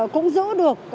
cũng giữ được